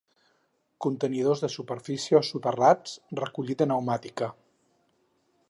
Contenidors de superfície o soterrats, recollida pneumàtica.